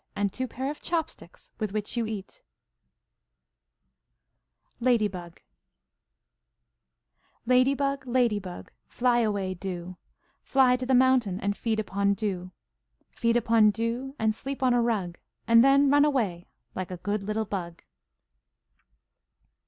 And two pairs of chopsticks with whic W: U LADY BUG Lady bug, lady bug, Fly away, do, Fly to the mountain. And feed upon dew; Feed upon dew And sleep on a rug, And then run away Like a good little bug.